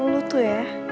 lu tuh ya